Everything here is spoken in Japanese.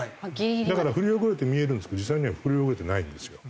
だから振り遅れて見えるんですけど実際には振り遅れてないんですよ。